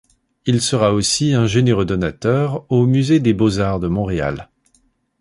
Il sera aussi un généreux donateur au Musée des beaux-arts de Montréal.